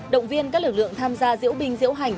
động viên các lực lượng tham gia diễu binh diễu hành